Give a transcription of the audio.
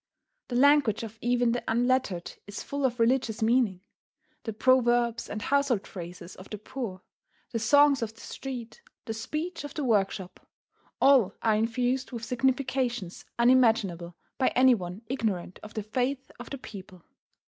The language of even the unlettered is full of religious meaning: the proverbs and household phrases of the poor, the songs of the street, the speech of the workshop, all are infused with significations unimaginable by any one ignorant of the faith of the people.